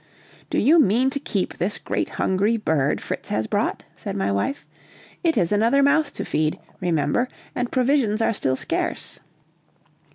"Do you mean to keep this great hungry bird Fritz has brought?" said my wife, "it is another mouth to feed, remember, and provisions are still scarce."